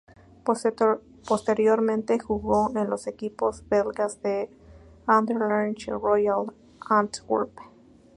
Posteriormente jugó en los equipos belgas del Anderlecht y Royal Antwerp.